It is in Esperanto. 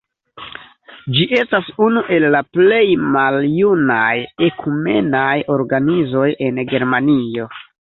Ĝi estas unu el la plej maljunaj ekumenaj organizoj en Germanio.